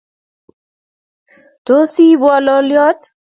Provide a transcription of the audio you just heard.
Tos iibwo lolyot?